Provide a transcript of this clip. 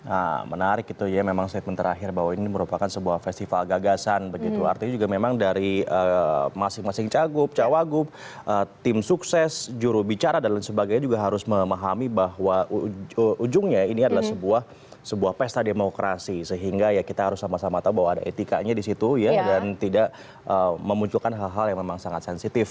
nah menarik itu ya memang statement terakhir bahwa ini merupakan sebuah festival gagasan begitu artinya juga memang dari masing masing cagup cawagup tim sukses juru bicara dan lain sebagainya juga harus memahami bahwa ujungnya ini adalah sebuah pesta demokrasi sehingga ya kita harus sama sama tahu bahwa ada etikanya disitu ya dan tidak memunculkan hal hal yang memang sangat sensitif